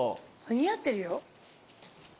似合ってるよ。